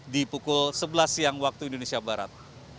di pukul sebelas siang waktu indonesia barat